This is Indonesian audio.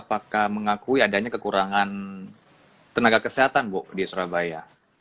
apakah mengakui adanya kekurangan tenaga kesehatan bu di surabaya